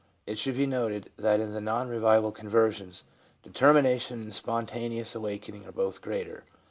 It should be noted that in the non revival conversions determination and spontaneous awakening are both greater.